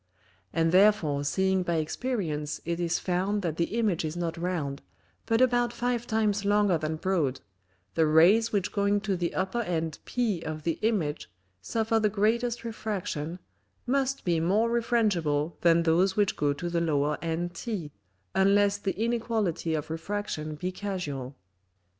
And therefore seeing by Experience it is found that the Image is not round, but about five times longer than broad, the Rays which going to the upper end P of the Image suffer the greatest Refraction, must be more refrangible than those which go to the lower end T, unless the Inequality of Refraction be casual.